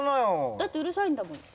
だってうるさいんだもん。